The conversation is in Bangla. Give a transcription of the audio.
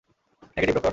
Negative, doctor.